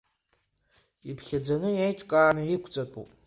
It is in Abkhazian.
Иԥхьаӡаны, иеиҿкааны иқәҵатәуп.